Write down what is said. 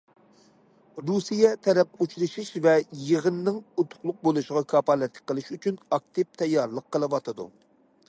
رۇسىيە تەرەپ ئۇچرىشىش ۋە يىغىننىڭ ئۇتۇقلۇق بولۇشىغا كاپالەتلىك قىلىش ئۈچۈن ئاكتىپ تەييارلىق قىلىۋاتىدۇ.